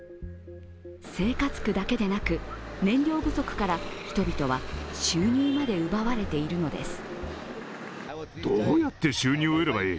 生活苦だけでなく燃料不足から人々は収入まで奪われているのです。